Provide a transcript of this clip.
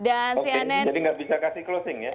oke jadi nggak bisa kasih closing ya